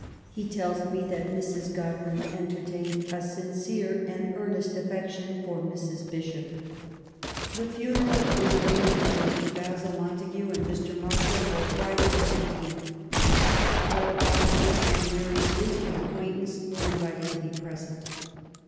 He tells me that Mrs. Godwin •entertained a sincere and earnest affection for Mrs. Bishop. The funeral was arranged by Mr. Basil Montague and Mr. Marshal for Friday, the 15th. All Godwin's and Mary^s intimate acquaintances were invited to be present.